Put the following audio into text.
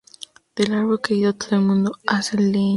Del árbol caído todo el mundo hace leña